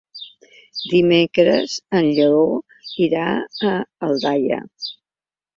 Dimecres en Lleó irà a Aldaia.